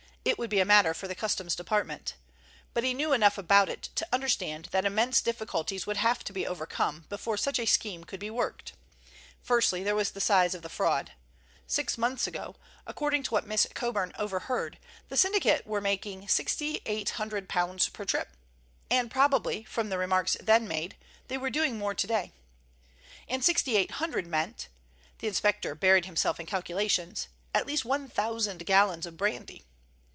It would be a matter for the Customs Department. But he knew enough about it to understand that immense difficulties would have to be overcome before such a scheme could be worked. Firstly, there was the size of the fraud. Six months ago, according to what Miss Coburn overheard, the syndicate were making £6,800 per trip, and probably, from the remarks then made, they were doing more today. And £6,800 meant—the inspector buried himself in calculations—at least one thousand gallons of brandy.